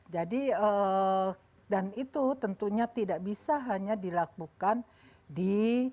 jadi dan itu tentunya tidak bisa hanya dilakukan di